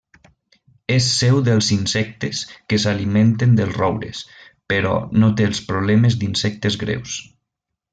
És seu dels insectes que s'alimenten dels roures, però no té els problemes d'insectes greus.